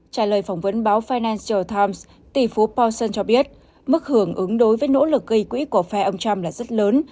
trả lời phỏng vấn báo finatial times tỷ phú poson cho biết mức hưởng ứng đối với nỗ lực gây quỹ của phe ông trump là rất lớn